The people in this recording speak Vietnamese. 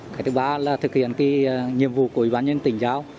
cái thứ ba là thực hiện nhiệm vụ của bán nhân tỉnh giáo